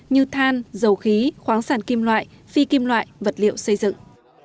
như than dầu khí khoáng sản kim loại phi kim loại vật liệu xây dựng